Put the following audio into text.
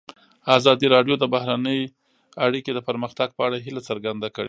ازادي راډیو د بهرنۍ اړیکې د پرمختګ په اړه هیله څرګنده کړې.